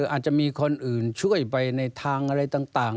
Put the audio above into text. อาจจะมีคนอื่นช่วยไปในทางอะไรต่าง